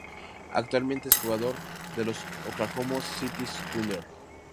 Actualmente es jugador de los Oklahoma City Thunder.